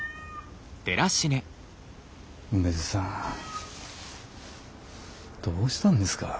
梅津さんどうしたんですか。